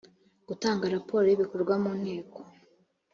gutanga raporo y ibikorwa mu nteko